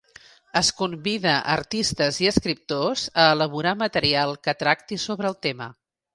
Es convida a artistes i escriptors a elaborar material que tracti sobre el tema.